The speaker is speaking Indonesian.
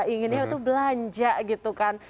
inginnya itu belanja gitu kan